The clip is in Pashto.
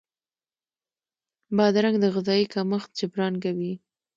بادرنګ د غذايي کمښت جبران کوي.